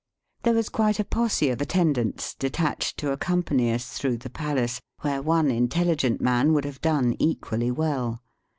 There was quite a posse of attendants detached to accom pany us through the palace, where one intelli gent man would have done equally well.